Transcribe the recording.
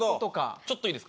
ちょっといいですか？